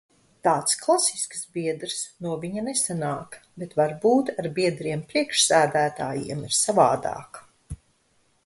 Tāds klasisks biedrs no viņa nesanāk, bet varbūt ar biedriem priekšsēdētājiem ir savādāk.